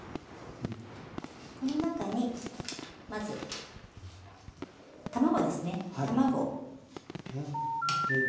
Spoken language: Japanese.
この中にまず卵ですね卵。